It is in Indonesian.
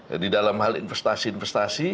jadi dalam hal investasi investasi